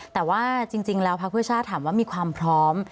แต่ว่าจริงแล้วพักเพื่อชาติถามว่ามีความพร้อม